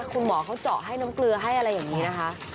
คุณหมอเขาเจาะให้น้ำเกลือให้อะไรอย่างนี้นะคะ